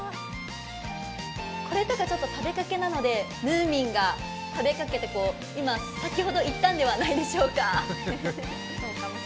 これとか、ちょっと食べかけなのでムーミンが食べかけて、先ほど行ったんではないでしょうか。